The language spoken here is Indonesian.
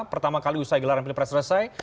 pertama kali usai gelaran pilpres selesai